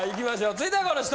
続いてはこの人！